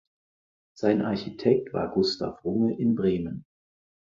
Sein Architekt war Gustav Runge in Bremen.